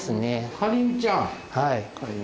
かりんちゃん。